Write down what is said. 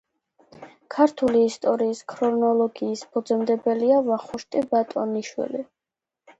ქართული ისტორიის ქრონოლოგიის ფუძემდებელია ვახუშტი ბატონიშვილი.